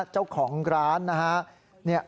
เจ้าของร้านนะฮะ